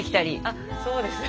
あそうですよね。